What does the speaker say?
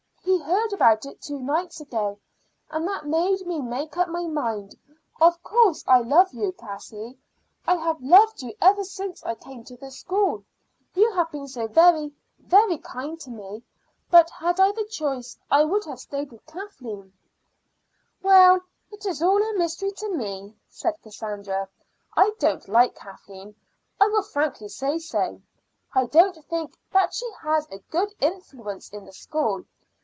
He heard about it two nights ago, and that made me make up my mind. Of course I love you, Cassie. I have loved you ever since I came to the school. You have been so very, very kind to me. But had I the choice I would have stayed with Kathleen." "Well, it is all a mystery to me," said Cassandra. "I don't like Kathleen; I will frankly say so. I don't think she has a good influence in the school.